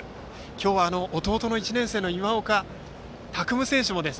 今日は、弟の１年生の今岡拓夢選手も。